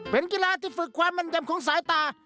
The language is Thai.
เป็นกีฬาที่ฝึกความแม่นยำของสายตา